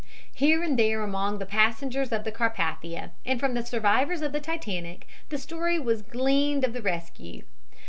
Here and there among the passengers of the Carpathia and from the survivors of the Titanic the story was gleaned of the rescue.